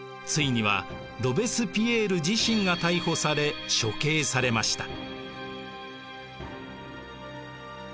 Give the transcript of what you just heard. ついにはロベスピエール自身が逮捕され処刑されました。